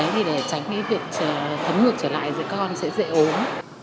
đấy để tránh cái việc thấn ngược trở lại giữa con sẽ dễ ốm